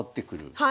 はい。